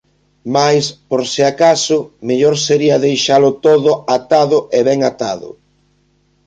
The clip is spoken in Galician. Mais, por se acaso, mellor sería deixalo todo atado e ben atado.